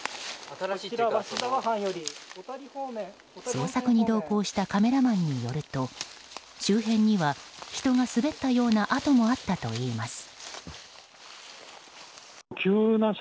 捜索に同行したカメラマンによると周辺には人が滑ったような跡もあったといいます。